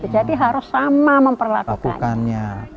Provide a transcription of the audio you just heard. jadi harus sama memperlakukannya